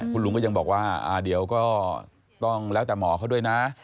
คุณลุงก็ยังบอกว่าเดี๋ยวก็ต้องแล้วแต่หมอเขาด้วยนะ